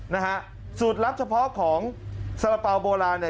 นะฮะสูตรลับเฉพาะของสระเปาโบราณ